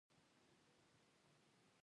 ایا کومه ګولۍ مو خوړلې ده؟